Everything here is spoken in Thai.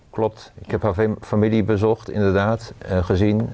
คลอบฟามิลลี่เจออินเด้อดาทเกษียณ